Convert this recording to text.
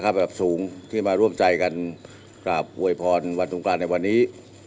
ลักษีสูงที่มาร่วมใจกันกับโวยพรวัตรศัตรูงราชในวันนี้